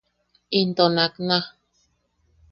Into nakna.